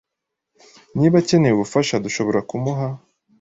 Niba akeneye ubufasha, dushobora kumuha.